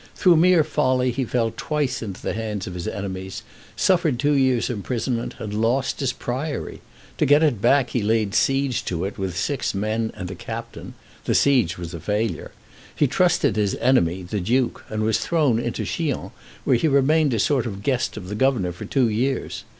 Through mere folly he fell twice into the hands of his enemies, suffered two years' imprisonment, and lost his priory. To get it back he laid siege to it with six men and a captain. The siege was a failure. He trusted his enemy, the duke, and was thrown into Chillon, where he remained a sort of guest of the governor for two years.